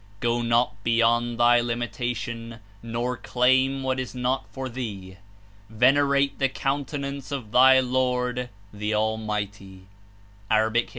Go not beyond thy limitation, nor claim what is not for thee. Venerate the Coun tenance of thy Lord, the Almighty." (A. 25.)